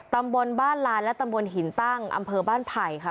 ตำบลบ้านลานและตำบลหินตั้งอำเภอบ้านไผ่ค่ะ